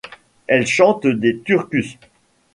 Elle chante des türküs.